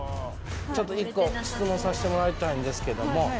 ちょっと１個質問させてもらいたいんですけども。